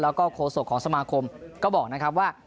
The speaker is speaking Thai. แล้วก็โฆษกของสมาคมก็บอกนะครับว่า